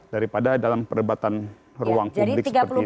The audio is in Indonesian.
daripada dalam perdebatan ruang publik seperti ini